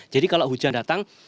jadi kalau hujan datang